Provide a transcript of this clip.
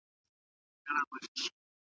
په پلي تګ کې نوي ستونزې نه جوړېږي.